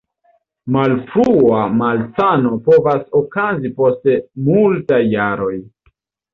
Malfrua malsano povas okazi post multaj jaroj.